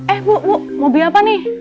eh bu mau beli apa nih